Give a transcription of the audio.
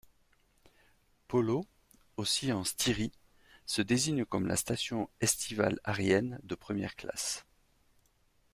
Pöllau, aussi en Styrie, se désigne comme la station estivale aryenne de première classe.